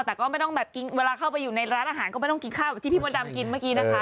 แต่ก็ไม่ต้องแบบกินเวลาเข้าไปอยู่ในร้านอาหารก็ไม่ต้องกินข้าวแบบที่พี่มดดำกินเมื่อกี้นะคะ